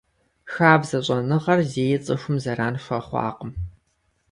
Хабзэ щӀэныгъэр зэи цӀыхум зэран хуэхъуакъым.